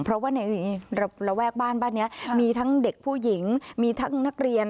เพราะว่าในระแวกบ้านบ้านนี้มีทั้งเด็กผู้หญิงมีทั้งนักเรียน